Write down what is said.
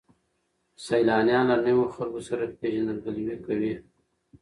سیلانیان له نویو خلکو سره پیژندګلوي کوي.